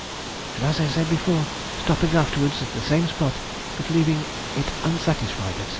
and, as I said before, stopping afterwards at the same spot, but leaving it unsatisfied, &c....